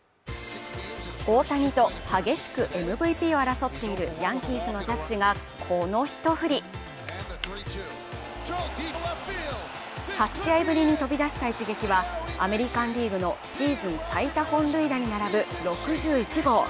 大谷と激しくＭＶＰを争っているヤンキースのジャッジがこのひと振り８試合ぶりに飛び出した一撃はアメリカンリーグのシーズン最多本塁打に並ぶ６１号